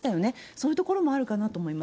そういうところもあるかなと思います。